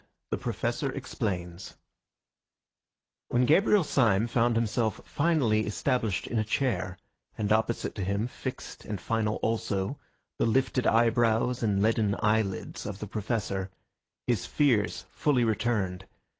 THE PROFESSOR EXPLAINS When Gabriel Syme found himself finally established in a chair, and opposite to him, fixed and final also, the lifted eyebrows and leaden eyelids of the Professor, his fears fully returned.